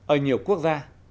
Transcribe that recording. ở nhiều quốc gia